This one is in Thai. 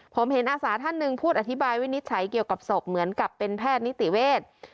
ผมเห็นอาสาท่านหนึ่งพูดอธิบายวินิจฉัยเกี่ยวกับศพเหมือนกับเป็นแพทย์นิติเวทย์